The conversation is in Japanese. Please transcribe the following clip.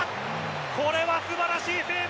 これは素晴らしいセーブ！